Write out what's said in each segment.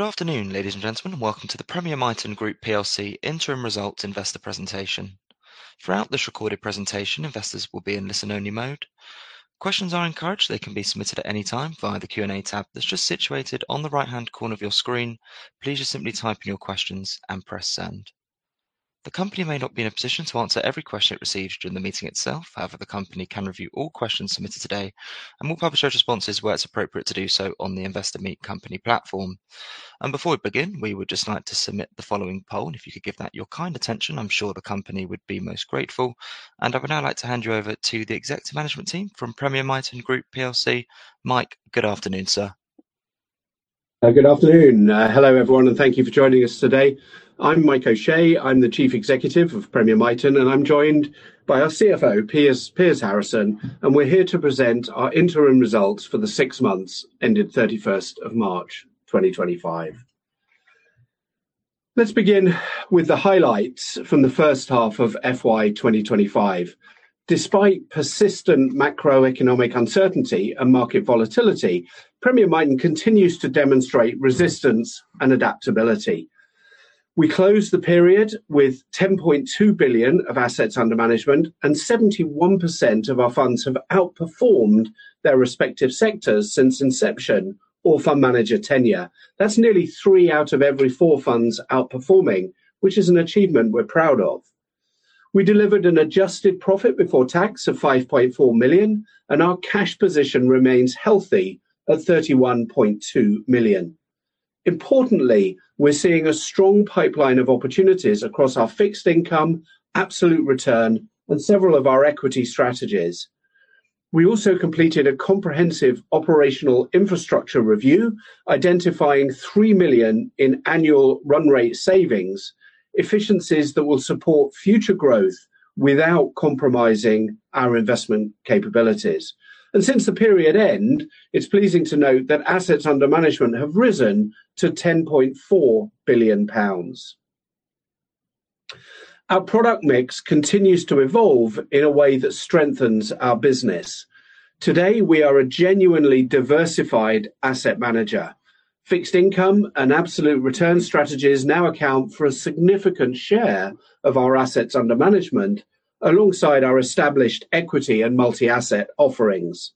Good afternoon, ladies and gentlemen, and welcome to the Premier Miton Group plc Interim Results Investor Presentation. Throughout this recorded presentation, investors will be in listen-only mode. Questions are encouraged. They can be submitted at any time via the Q&A tab that's just situated on the right-hand corner of your screen. Please just simply type in your questions and press send. The company may not be in a position to answer every question it receives during the meeting itself. However, the company can review all questions submitted today and will publish those responses where it's appropriate to do so on the Investor Meet Company platform. Before we begin, we would just like to submit the following poll and if you could give that your kind attention, I'm sure the company would be most grateful. I would now like to hand you over to the executive management team from Premier Miton Group plc. Mike, good afternoon, sir. Good afternoon. Hello everyone and thank you for joining us today. I'm Mike O'Shea. I'm the Chief Executive of Premier Miton, and I'm joined by our CFO, Piers Harrison, and we're here to present our interim results for the six months ended March 31st of 2025. Let's begin with the highlights from the first half of FY 2025. Despite persistent macroeconomic uncertainty and market volatility, Premier Miton continues to demonstrate resistance and adaptability. We closed the period with 10.2 billion of assets under management, and 71% of our funds have outperformed their respective sectors since inception or fund manager tenure. That's nearly three out of every four funds outperforming, which is an achievement we're proud of. We delivered an adjusted profit before tax of 5.4 million and our cash position remains healthy at 31.2 million. Importantly, we're seeing a strong pipeline of opportunities across our fixed income, absolute return, and several of our equity strategies. We also completed a comprehensive operational infrastructure review, identifying 3 million in annual run rate savings, efficiencies that will support future growth without compromising our investment capabilities. Since the period end, it's pleasing to note that assets under management have risen to 10.4 billion pounds. Our product mix continues to evolve in a way that strengthens our business. Today, we are a genuinely diversified asset manager. Fixed income and absolute return strategies now account for a significant share of our assets under management alongside our established equity and multi-asset offerings.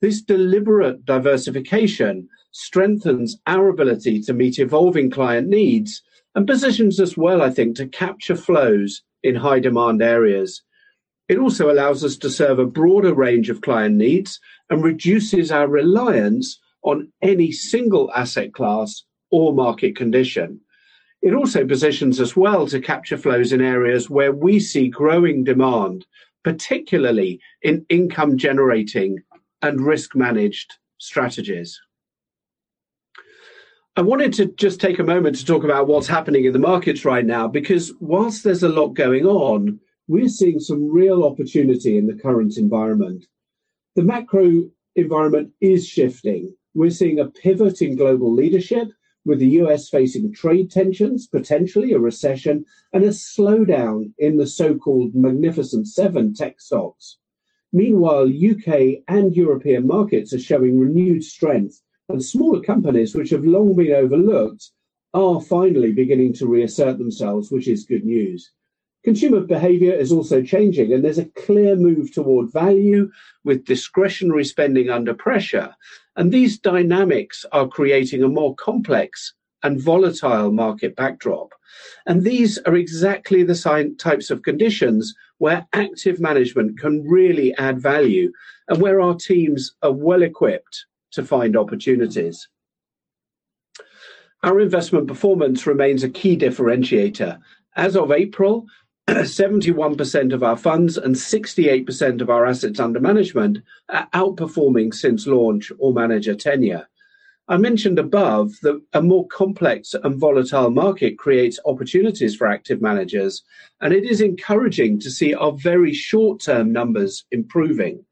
This deliberate diversification strengthens our ability to meet evolving client needs and positions us well, I think, to capture flows in high demand areas. It also allows us to serve a broader range of client needs and reduces our reliance on any single asset class or market condition. It also positions us well to capture flows in areas where we see growing demand, particularly in income-generating and risk-managed strategies. I wanted to just take a moment to talk about what's happening in the markets right now because while there's a lot going on, we're seeing some real opportunity in the current environment. The macro environment is shifting. We're seeing a pivot in global leadership with the U.S. facing trade tensions, potentially a recession, and a slowdown in the so-called Magnificent Seven tech stocks. Meanwhile, U.K. and European markets are showing renewed strength, and smaller companies, which have long been overlooked, are finally beginning to reassert themselves, which is good news. Consumer behavior is also changing and there's a clear move toward value with discretionary spending under pressure. These dynamics are creating a more complex and volatile market backdrop. These are exactly the types of conditions where active management can really add value and where our teams are well-equipped to find opportunities. Our investment performance remains a key differentiator. As of April, 71% of our funds and 68% of our assets under management are outperforming since launch or manager tenure. I mentioned above that a more complex, and volatile market creates opportunities for active managers, and it is encouraging to see our very short-term numbers improving.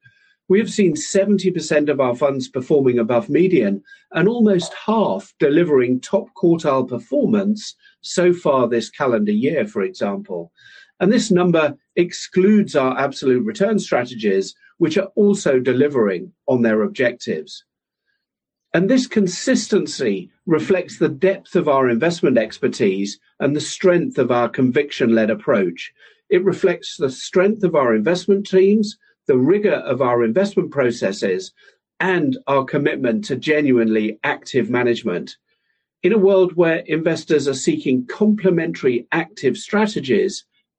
We have seen 70% of our funds performing above median and almost half delivering top quartile performance so far this calendar year, for example. This number excludes our absolute return strategies, which are also delivering on their objectives. This consistency reflects the depth of our investment expertise and the strength of our conviction-led approach. It reflects the strength of our investment teams, the rigor of our investment processes, and our commitment to genuinely active management. In a world where investors are seeking complementary active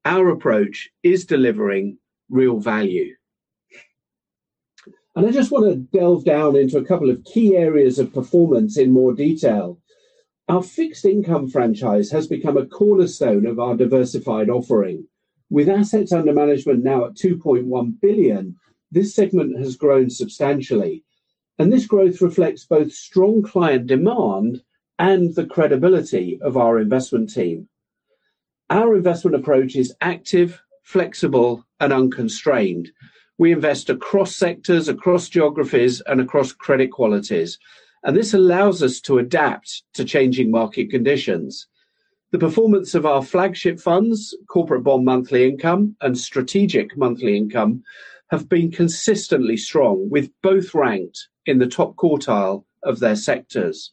strategies, our approach is delivering real value. I just want to delve down into a couple of key areas of performance in more detail. Our fixed income franchise has become a cornerstone of our diversified offering. With assets under management now at 2.1 billion, this segment has grown substantially, and this growth reflects both strong client demand and the credibility of our investment team. Our investment approach is active, flexible, and unconstrained. We invest across sectors, across geographies, and across credit qualities, and this allows us to adapt to changing market conditions. The performance of our flagship funds, Corporate Bond Monthly Income and Strategic Monthly Income, have been consistently strong, with both ranked in the top quartile of their sectors.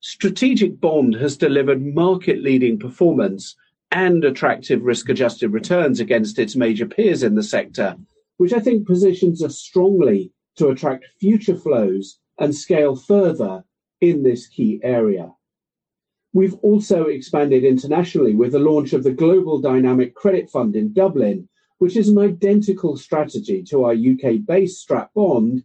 Strategic Bond has delivered market-leading performance and attractive risk-adjusted returns against its major peers in the sector, which I think positions us strongly to attract future flows, and scale further in this key area. We've also expanded internationally with the launch of the Global Dynamic Credit Fund in Dublin, which is an identical strategy to our U.K.-based Strat Bond,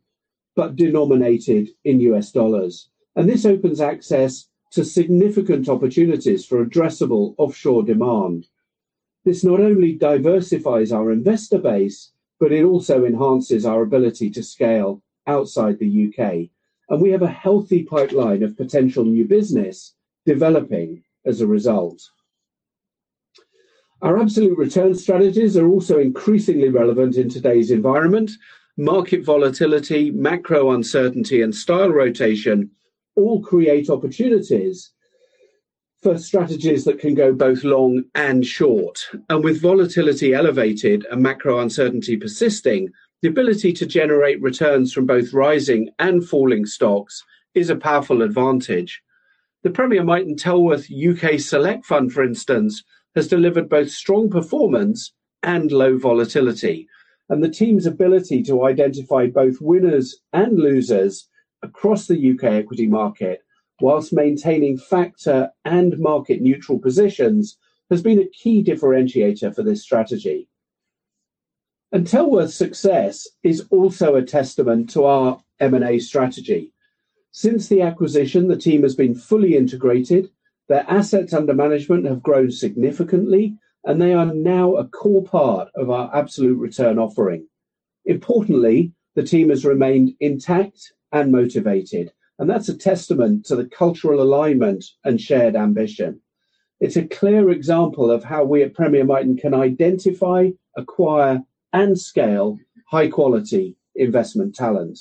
but denominated in U.S. dollars. This opens access to significant opportunities for addressable offshore demand. This not only diversifies our investor base but it also enhances our ability to scale outside the U.K. We have a healthy pipeline of potential new business developing as a result. Our absolute return strategies are also increasingly relevant in today's environment. Market volatility, macro uncertainty, and style rotation all create opportunities for strategies that can go both long and short. With volatility elevated and macro uncertainty persisting, the ability to generate returns from both rising and falling stocks is a powerful advantage. The Premier Miton Tellworth UK Select Fund, for instance, has delivered both strong performance and low volatility. The team's ability to identify both winners and losers across the U.K. equity market, while maintaining factor and market-neutral positions, has been a key differentiator for this strategy. Tellworth's success is also a testament to our M&A strategy. Since the acquisition, the team has been fully integrated, their assets under management have grown significantly, and they are now a core part of our absolute return offering. Importantly, the team has remained intact and motivated, and that's a testament to the cultural alignment, and shared ambition. It's a clear example of how we at Premier Miton can identify, acquire, and scale high-quality investment talent.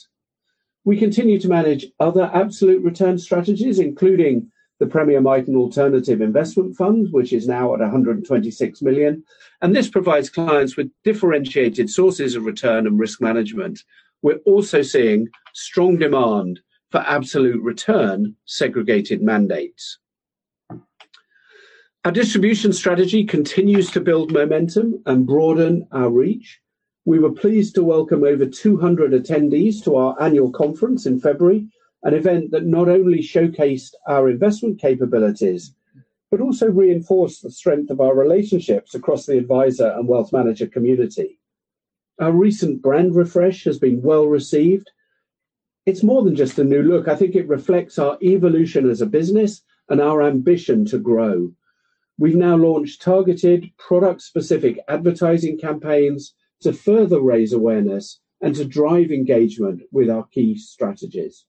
We continue to manage other absolute return strategies, including the Premier Miton Alternative Investments Fund, which is now at 126 million, and this provides clients with differentiated sources of return and risk management. We're also seeing strong demand for absolute return segregated mandates. Our distribution strategy continues to build momentum and broaden our reach. We were pleased to welcome over 200 attendees to our annual conference in February, an event that not only showcased our investment capabilities, but also reinforced the strength of our relationships across the advisor and wealth manager community. Our recent brand refresh has been well-received. It's more than just a new look. I think it reflects our evolution as a business and our ambition to grow. We've now launched targeted, product-specific advertising campaigns to further raise awareness, and to drive engagement with our key strategies.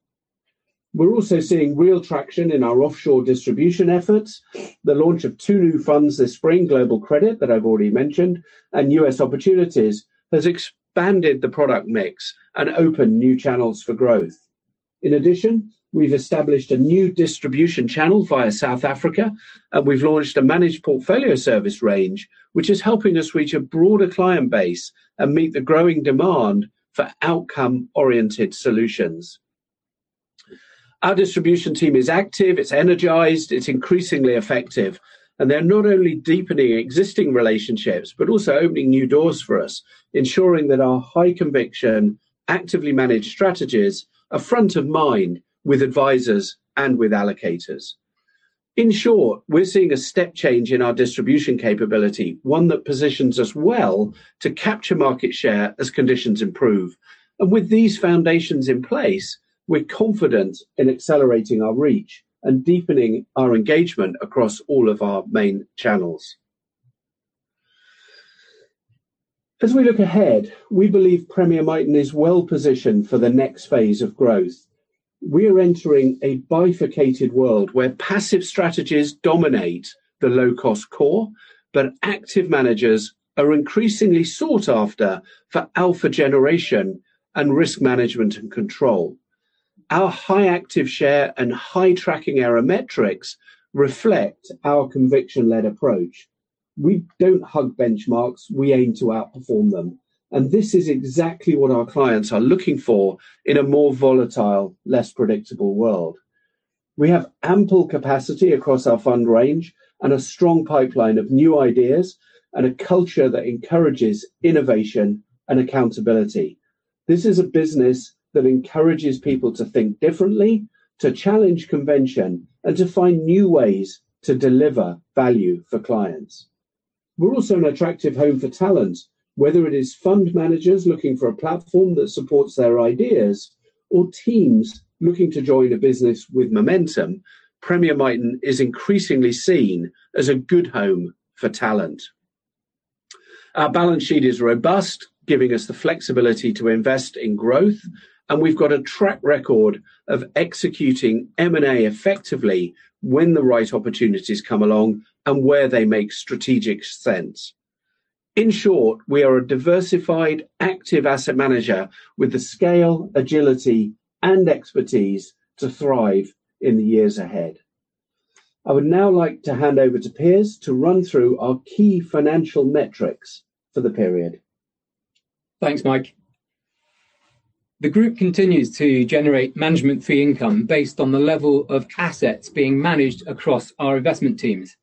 We're also seeing real traction in our offshore distribution efforts. The launch of two new funds this spring, Global Credit, that I've already mentioned, and U.S. opportunities, has expanded the product mix and opened new channels for growth. In addition, we've established a new distribution channel via South Africa, and we've launched a managed portfolio service range, which is helping us reach a broader client base and meet the growing demand for outcome-oriented solutions. Our distribution team is active, it's energized, it's increasingly effective, and they're not only deepening existing relationships, but also opening new doors for us, ensuring that our high-conviction, actively managed strategies are front of mind with advisors and with allocators. In short, we're seeing a step change in our distribution capability, one that positions us well to capture market share as conditions improve. With these foundations in place, we're confident in accelerating our reach and deepening our engagement across all of our main channels. As we look ahead, we believe Premier Miton is well-positioned for the next phase of growth. We are entering a bifurcated world where passive strategies dominate the low-cost core, but active managers are increasingly sought after for alpha generation and risk management and control. Our high active share and high tracking error metrics reflect our conviction-led approach. We don't hug benchmarks. We aim to outperform them, and this is exactly what our clients are looking for in a more volatile, less predictable world. We have ample capacity across our fund range and a strong pipeline of new ideas and a culture that encourages innovation and accountability. This is a business that encourages people to think differently, to challenge convention, and to find new ways to deliver value for clients. We're also an attractive home for talent, whether it is fund managers looking for a platform that supports their ideas or teams looking to join a business with momentum. Premier Miton is increasingly seen as a good home for talent. Our balance sheet is robust, giving us the flexibility to invest in growth, and we've got a track record of executing M&A effectively when the right opportunities come along and where they make strategic sense. In short, we are a diversified active asset manager with the scale, agility, and expertise to thrive in the years ahead. I would now like to hand over to Piers to run through our key financial metrics for the period. Thanks, Mike. The group continues to generate management fee income based on the level of assets being managed across our investment teams.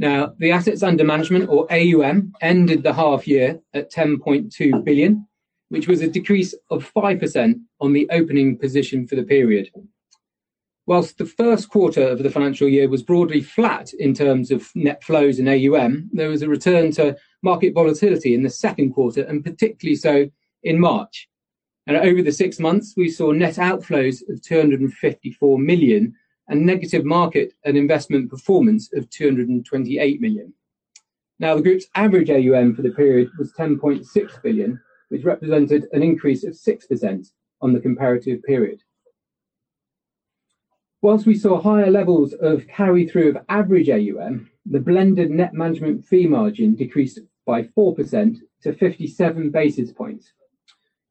Now, the assets under management or AUM ended the half year at 10.2 billion, which was a decrease of 5% on the opening position for the period. While the first quarter of the financial year was broadly flat in terms of net flows in AUM, there was a return to market volatility in the second quarter and particularly so in March. Over the six months, we saw net outflows of 254 million and negative market and investment performance of 228 million. Now, the group's average AUM for the period was 10.6 billion, which represented an increase of 6% on the comparative period. Whilst we saw higher levels of carry-through of average AUM, the blended net management fee margin decreased by 4% to 57 basis points.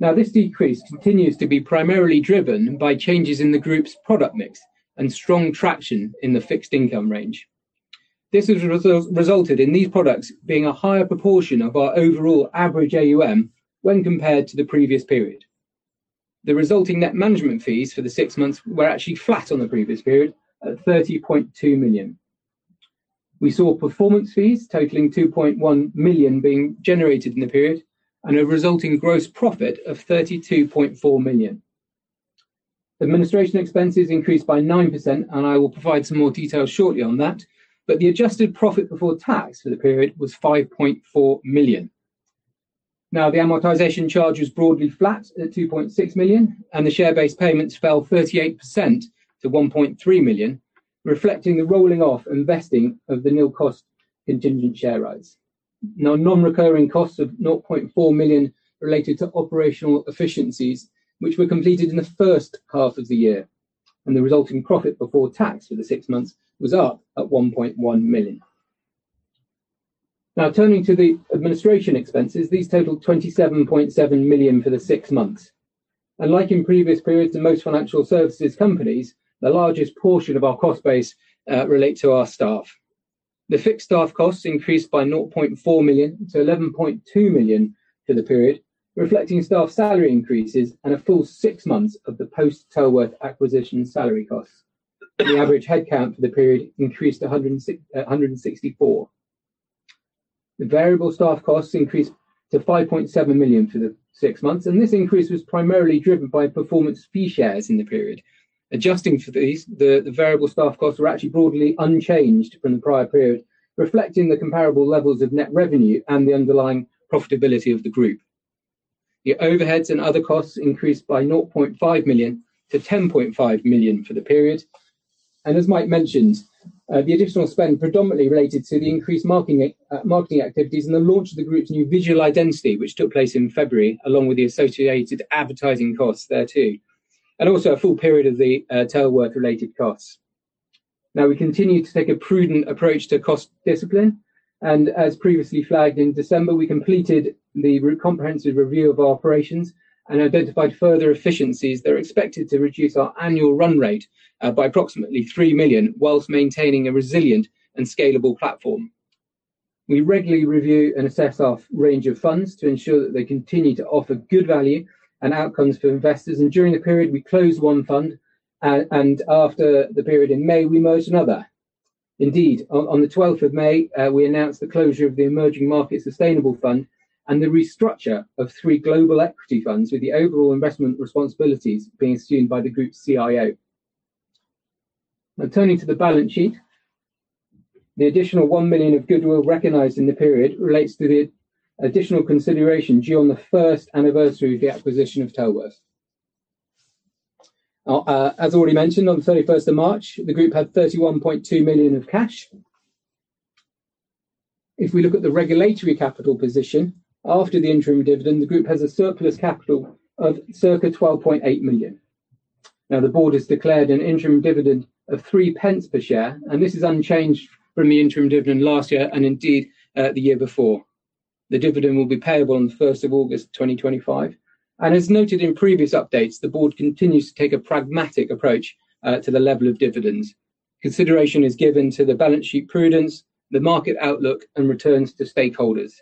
Now, this decrease continues to be primarily driven by changes in the group's product mix and strong traction in the fixed income range. This has resulted in these products being a higher proportion of our overall average AUM when compared to the previous period. The resulting net management fees for the six months were actually flat on the previous period at 30.2 million. We saw performance fees totaling 2.1 million being generated in the period and a resulting gross profit of 32.4 million. Administration expenses increased by 9% and I will provide some more details shortly on that. The adjusted profit before tax for the period was 5.4 million. The amortization charge is broadly flat at 2.6 million, and the share-based payments fell 38% to 1.3 million, reflecting the rolling off and vesting of the nil cost contingent share rights. Non-recurring costs of 400,000 related to operational efficiencies, which were completed in the first half of the year, and the resulting profit before tax for the six months was up at 1.1 million. Turning to the administration expenses, these totaled 27.7 million for the six months, and like in previous periods, to most financial services companies, the largest portion of our cost base relate to our staff. The fixed staff costs increased by 400,000 to 11.2 million in the period, reflecting staff salary increases and a full six months of the post-Tellworth acquisition salary costs. The average headcount for the period increased to 164. The variable staff costs increased to 5.7 million for the six months and this increase was primarily driven by performance fee shares in the period. Adjusting for these, the variable staff costs were actually broadly unchanged from the prior period, reflecting the comparable levels of net revenue and the underlying profitability of the group. The overheads and other costs increased by 500,000 to 10.5 million for the period. As Mike mentioned, the additional spend predominantly related to the increased marketing activities and the launch of the group's new visual identity, which took place in February, along with the associated advertising costs there too, and also a full period of the Tellworth related costs. Now, we continue to take a prudent approach to cost discipline, and as previously flagged in December, we completed the comprehensive review of our operations and identified further efficiencies that are expected to reduce our annual run rate by approximately 3 million while maintaining a resilient and scalable platform. We regularly review and assess our range of funds to ensure that they continue to offer good value and outcomes to investors. During the period, we closed one fund, and after the period in May, we merged another. Indeed, on the 12th of May, we announced the closure of the Emerging Markets Sustainable Fund and the restructure of three global equity funds with the overall investment responsibilities being assumed by the group's CIO. Now, turning to the balance sheet, the additional 1 million of goodwill recognized in the period relates to the additional consideration due on the first anniversary of the acquisition of Tellworth. As already mentioned, on 31st of March, the group had 31.2 million of cash. If we look at the regulatory capital position, after the interim dividend, the group has a surplus capital of circa 12.8 million. Now, the board has declared an interim dividend of 0.03 per share, and this is unchanged from the interim dividend last year, and indeed, the year before. The dividend will be payable on the 1st of August 2025. As noted in previous updates, the board continues to take a pragmatic approach to the level of dividends. Consideration is given to the balance sheet prudence, the market outlook, and returns to stakeholders.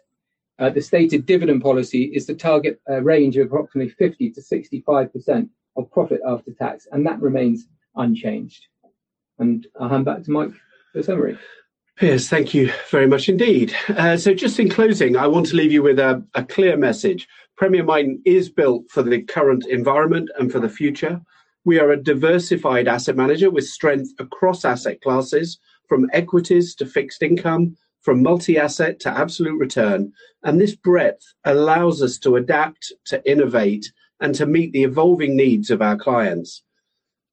The stated dividend policy is to target a range of approximately 50% to 65% of profit after tax and that remains unchanged. I'll hand back to Mike for summary. Piers, thank you very much indeed. In closing, I want to leave you with a clear message. Premier Miton is built for the current environment and for the future. We are a diversified asset manager with strength across asset classes from equities to fixed income, from multi-asset to absolute return. This breadth allows us to adapt, to innovate, and to meet the evolving needs of our clients.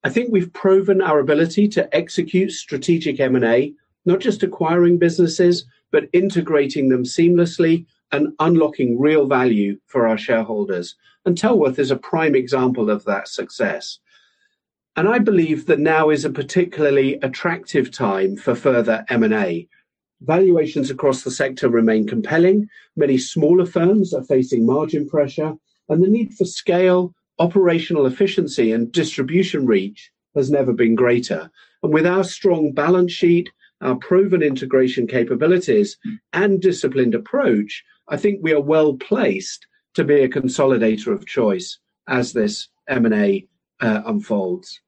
I think we've proven our ability to execute strategic M&A, not just acquiring businesses, but integrating them seamlessly, and unlocking real value for our shareholders. Tellworth is a prime example of that success. I believe that now is a particularly attractive time for further M&A. Valuations across the sector remain compelling. Many smaller firms are facing margin pressure and the need for scale, operational efficiency, and distribution reach has never been greater. With our strong balance sheet, our proven integration capabilities, and disciplined approach, I think we are well-placed to be a consolidator of choice as this M&A unfolds.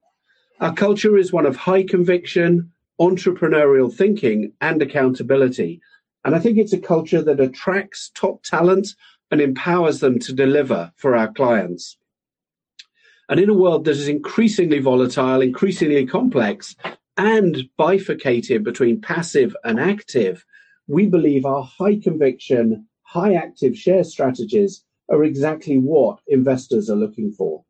Our culture is one of high conviction, entrepreneurial thinking, and accountability, and I think it's a culture that attracts top talent and empowers them to deliver for our clients. In a world that is increasingly volatile, increasingly complex and bifurcating between passive and active, we believe our high conviction, high active share strategies are exactly what investors are looking for.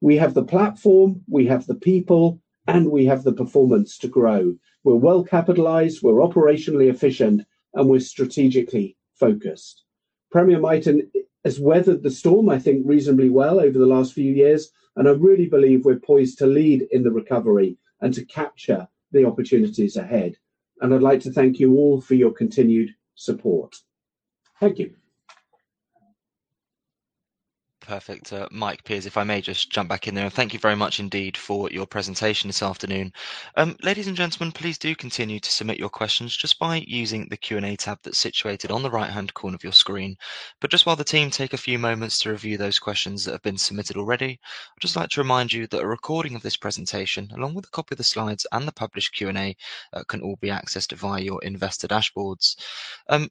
We have the platform, we have the people, and we have the performance to grow. We're well capitalized, we're operationally efficient, and we're strategically focused. Premier Miton has weathered the storm, I think, reasonably well over the last few years, and I really believe we're poised to lead in the recovery, and to capture the opportunities ahead. I'd like to thank you all for your continued support. Thank you. Perfect. Mike, Piers, if I may just jump back in there. Thank you very much indeed for your presentation this afternoon. Ladies and gentlemen, please do continue to submit your questions just by using the Q&A tab that's situated on the right-hand corner of your screen. While the team take a few moments to review those questions that have been submitted already, I'd just like to remind you that a recording of this presentation, along with a copy of the slides and the published Q&A can all be accessed via your investor dashboards.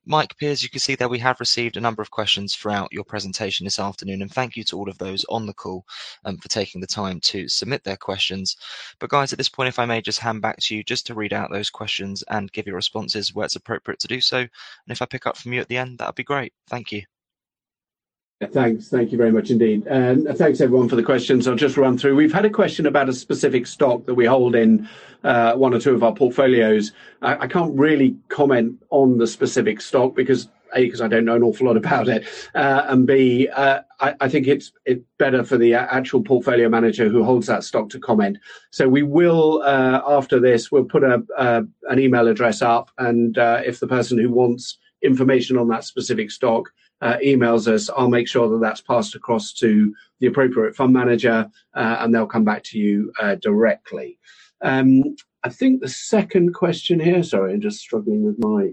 Mike, Piers, you can see that we have received a number of questions throughout your presentation this afternoon. Thank you to all of those on the call for taking the time to submit their questions. Guys, at this point, if I may just hand back to you just to read out those questions and give your responses where it's appropriate to do so, and if I pick up from you at the end, that'd be great. Thank you. Yeah. Thanks. Thank you very much indeed and thanks everyone for the questions. I'll just run through. We've had a question about a specific stock that we hold in one or two of our portfolios. I can't really comment on the specific stock because, A, because I don't know an awful lot about it, and B, I think it's better for the actual portfolio manager who holds that stock to comment. We will, after this, we'll put up an email address up, and if the person who wants information on that specific stock emails us, I'll make sure that that's passed across to the appropriate fund manager, and they'll come back to you directly. I think the second question here, sorry, I'm just struggling with my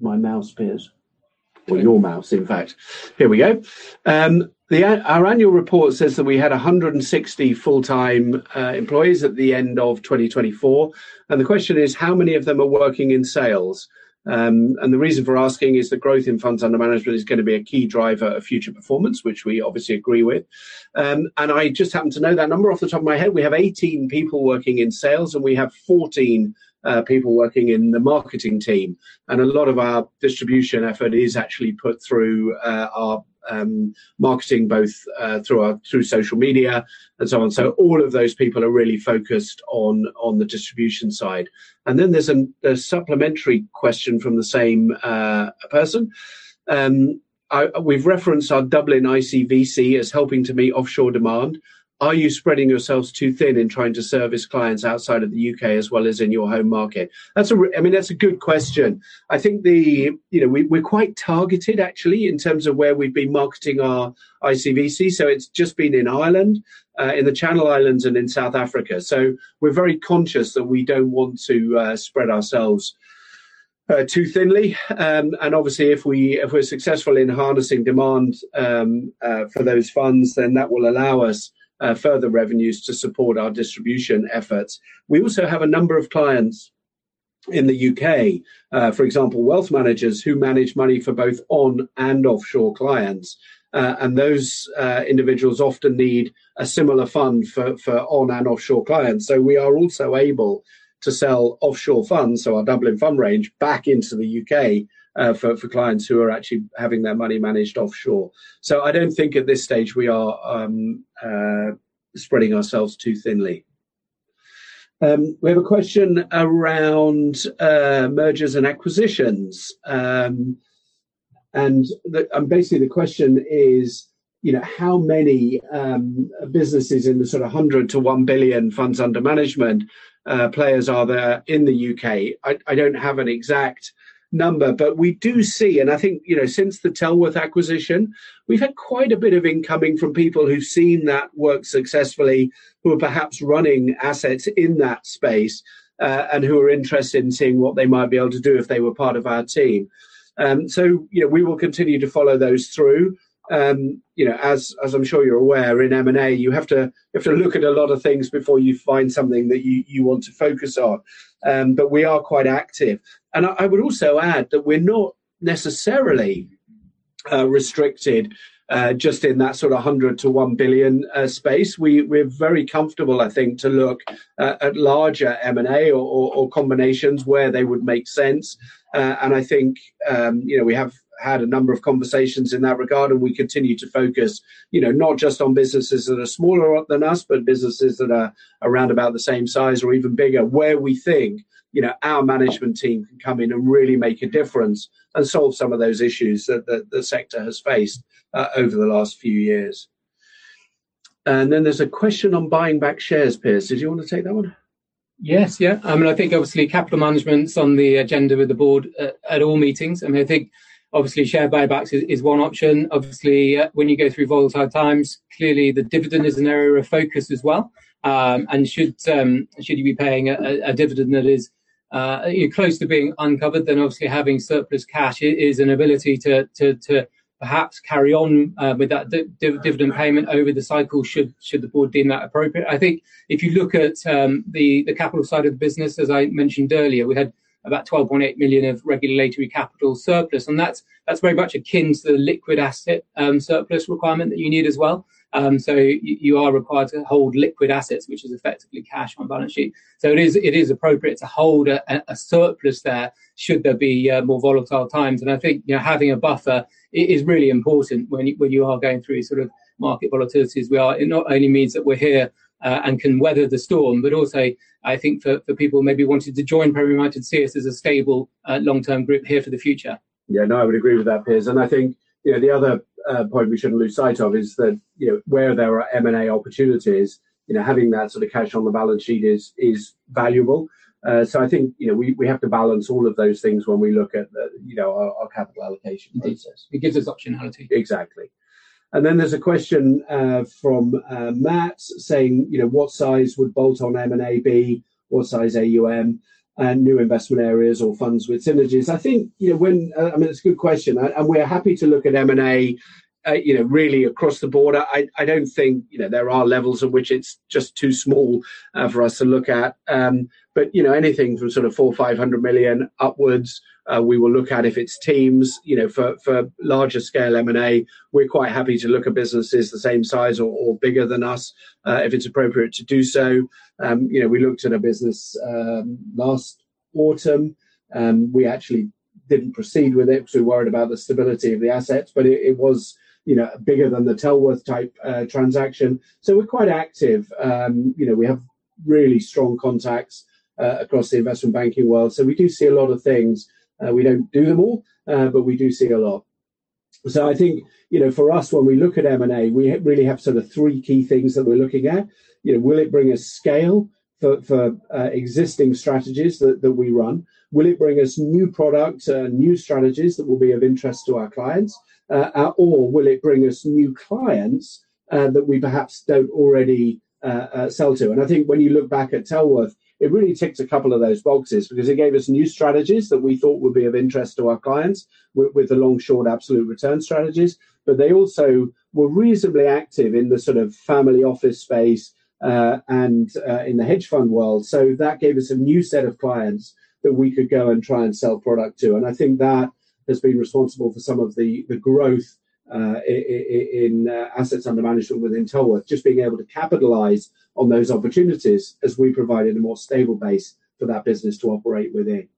mouse, Piers, or your mouse, in fact. Here we go. Our annual report says that we had 160 full-time employees at the end of 2024, and the question is, how many of them are working in sales. The reason for asking is the growth in funds under management is going to be a key driver of future performance, which we obviously agree with. I just happen to know that number off the top of my head. We have 18 people working in sales, and we have 14 people working in the marketing team, and a lot of our distribution effort is actually put through our marketing, both through social media and so on. All of those people are really focused on the distribution side. There's a supplementary question from the same person. We've referenced our Dublin ICVC as helping to meet offshore demand. Are you spreading yourselves too thin in trying to service clients outside of the U.K. as well as in your home market? That's a good question. I mean, that's a good question. I think. You know, we're quite targeted actually in terms of where we've been marketing our ICVC, so it's just been in Ireland, in the Channel Islands, and in South Africa. We're very conscious that we don't want to spread ourselves too thinly and, obviously, if we're successful in harnessing demand for those funds, then that will allow us further revenues to support our distribution efforts. We also have a number of clients in the U.K., for example, wealth managers who manage money for both on and offshore clients. Those individuals often need a similar fund for on and offshore clients. We are also able to sell offshore funds, so our Dublin fund range back into the U.K. for clients who are actually having their money managed offshore. I don't think at this stage we are spreading ourselves too thinly. We have a question around mergers and acquisitions. Basically the question is, you know, how many businesses in the sort of 100 to 1 billion funds under management players are there in the U.K.? I don't have an exact number, but we do see. I think, you know, since the Tellworth acquisition, we've had quite a bit of incoming from people who've seen that work successfully, who are perhaps running assets in that space, and who are interested in seeing what they might be able to do, if they were part of our team. We will continue to follow those through. As I'm sure you're aware, in M&A, you have to look at a lot of things before you find something that you want to focus on. We are quite active and I would also add that we're not necessarily restricted just in that sort of 100 to 1 billion space. We're very comfortable, I think, to look at larger M&A or combinations where they would make sense. I think, you know, we have had a number of conversations in that regard, and we continue to focus, you know, not just on businesses that are smaller than us, but businesses that are around about the same size or even bigger, where we think, you know, our management team can come in and really make a difference and solve some of those issues that the sector has faced over the last few years. Then there's a question on buying back shares, Piers. Did you want to take that one? Yes. Yeah. I mean, I think obviously capital management's on the agenda with the Board at all meetings. I mean, I think obviously share buybacks is one option. Obviously, when you go through volatile times, clearly the dividend is an area of focus as well. Should you be paying a dividend that is, you know, close to being uncovered, then obviously having surplus cash is an ability to perhaps carry on with that dividend payment over the cycle should the Board deem that appropriate. I think if you look at the capital side of the business, as I mentioned earlier, we had about 12.8 million of regulatory capital surplus, and that's very much akin to the liquid asset surplus requirement that you need as well. You are required to hold liquid assets, which is effectively cash on balance sheet. It is appropriate to hold a surplus there should be more volatile times. I think, you know, having a buffer is really important when you are going through sort of market volatilities as well. It not only means that we're here and can weather the storm, but also I think for people maybe wanting to join Premier Miton see us as a stable long-term group here for the future. Yeah. No, I would agree with that, Piers. I think, you know, the other point we shouldn't lose sight of is that, you know, where there are M&A opportunities, you know, having that sort of cash on the balance sheet is valuable. I think, you know, we have to balance all of those things when we look at the, you know, our capital allocation process. It gives us optionality. Exactly. There's a question from Matt saying, you know, "What size would bolt-on M&A be? What size AUM and new investment areas or funds with synergies?" I think, you know, I mean, it's a good question. We're happy to look at M&A, you know, really across the board. I don't think, you know, there are levels at which it's just too small for us to look at but, you know, anything from sort of 400 million-500 million upwards, we will look at. If it's teams, you know, for larger scale M&A, we're quite happy to look at businesses the same size or bigger than us, if it's appropriate to do so. We looked at a business last autumn. We actually didn't proceed with it because we were worried about the stability of the assets, but it was, you know, bigger than the Tellworth-type transaction. We're quite active. We have really strong contacts across the investment banking world, so we do see a lot of things. We don't do them all but we do see a lot. I think, you know, for us, when we look at M&A, we really have sort of three key things that we're looking at. Will it bring us scale for existing strategies that we run? Will it bring us new product, new strategies that will be of interest to our clients or will it bring us new clients that we perhaps don't already sell to? I think when you look back at Tellworth, it really ticks a couple of those boxes because it gave us new strategies that we thought would be of interest to our clients with the long-short absolute return strategies. They also were reasonably active in the sort of family office space and in the hedge fund world. That gave us a new set of clients that we could go and try and sell product to. I think that has been responsible for some of the growth in assets under management within Tellworth, just being able to capitalize on those opportunities as we provided a more stable base for that business to operate within.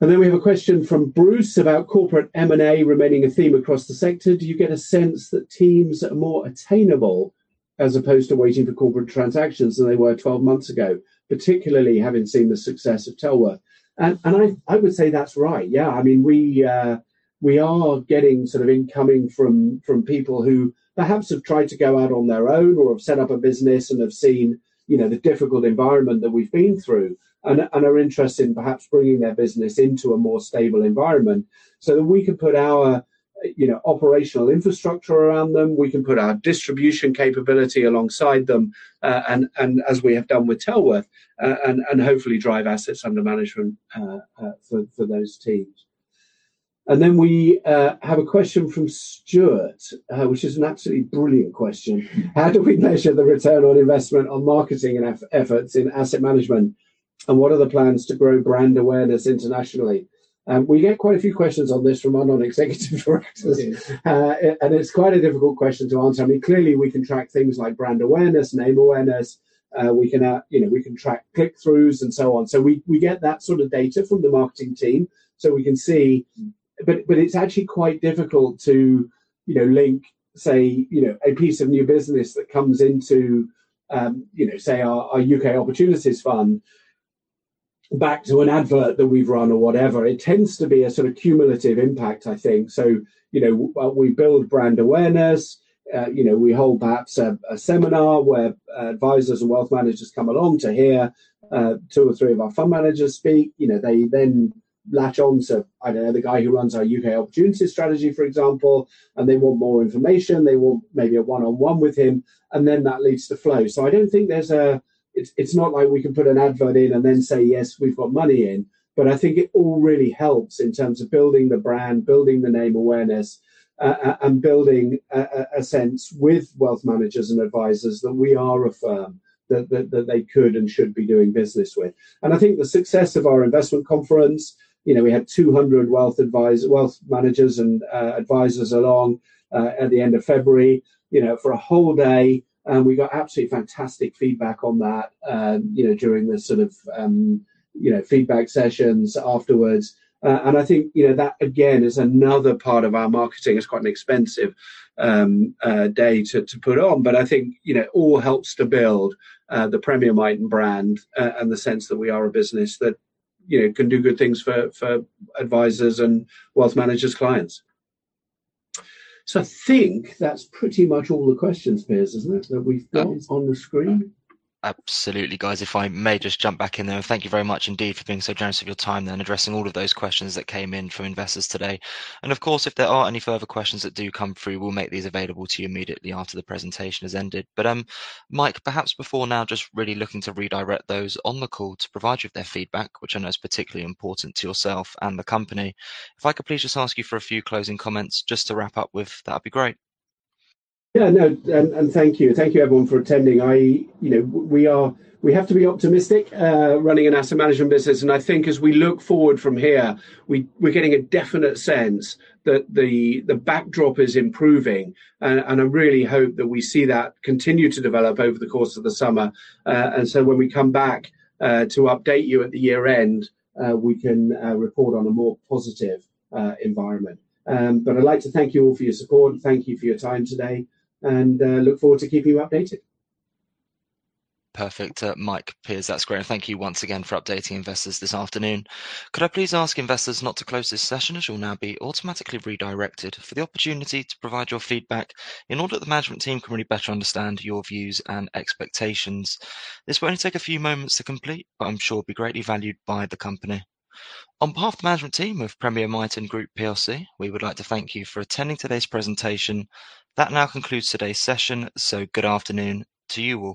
Then, we have a question from Bruce about corporate M&A remaining a theme across the sector. Do you get a sense that teams are more attainable as opposed to waiting for corporate transactions than they were 12 months ago, particularly having seen the success of Tellworth? I would say that's right. Yeah. I mean, we are getting sort of incoming from people who perhaps have tried to go out on their own or have set up a business and have seen, you know, the difficult environment that we've been through and are interested in perhaps bringing their business into a more stable environment so that we can put our, you know, operational infrastructure around them. We can put our distribution capability alongside them, and as we have done with Tellworth, and hopefully drive assets under management for those teams. We have a question from Stuart, which is an absolutely brilliant question. How do we measure the return on investment on marketing and efforts in asset management, and what are the plans to grow brand awareness internationally? We get quite a few questions on this from our non-executive directors. Yes. It's quite a difficult question to answer. I mean, clearly we can track things like brand awareness, name awareness. We can, you know, track click-throughs, and so on. We get that sort of data from the marketing team, so we can see. It's actually quite difficult to, you know, link, say, you know, a piece of new business that comes into, you know, say our U.K. Opportunities Fund back to an advert that we've run or whatever. It tends to be a sort of cumulative impact, I think. WE build brand awareness. We hold perhaps a seminar where advisors and wealth managers come along to hear two or three of our fund managers speak. They then latch on to, I don't know, the guy who runs our U.K. opportunities strategy, for example, and they want more information. They want maybe a one-on-one with him, and then that leads to flow. I don't think it's not like we can put an advert in and then say, "Yes, we've got money in." I think it all really helps in terms of building the brand, building the name awareness, and building a sense with wealth managers and advisors that we are a firm that they could and should be doing business with. I think the success of our investment conference, you know, we had 200 wealth advisors, wealth managers, and advisors along at the end of February, you know, for a whole day, and we got absolutely fantastic feedback on that, you know, during the sort of, you know, feedback sessions afterwards. I think, you know, that again is another part of our marketing. It's quite an expensive day to put on, but I think, you know, it all helps to build the Premier Miton brand, and the sense that we are a business that, you know, can do good things for advisors and wealth managers' clients. I think that's pretty much all the questions, Piers, isn't it, that we've got on the screen? Absolutely, guys. If I may just jump back in there. Thank you very much indeed for being so generous with your time then addressing all of those questions that came in from investors today and, of course, if there are any further questions that do come through, we'll make these available to you immediately after the presentation has ended. Mike, perhaps before now, just really looking to redirect those on the call to provide you with their feedback, which I know is particularly important to yourself and the company, if I could please just ask you for a few closing comments just to wrap up with, that'd be great. Thank you everyone for attending. We have to be optimistic running an asset management business and I think as we look forward from here, we're getting a definite sense that the backdrop is improving. I really hope that we see that continue to develop over the course of the summer, and so when we come back to update you at the year end, we can report on a more positive environment. But I'd like to thank you all for your support. Thank you for your time today and look forward to keeping you updated. Perfect, Mike, Piers. That's great, and thank you once again for updating investors this afternoon. Could I please ask investors not to close this session, as you'll now be automatically redirected, for the opportunity to provide your feedback in order that the management team can really better understand your views and expectations. This will only take a few moments to complete but I'm sure it'll be greatly valued by the company. On behalf of the management team of Premier Miton Group plc, we would like to thank you for attending today's presentation. That now concludes today's session so good afternoon to you all.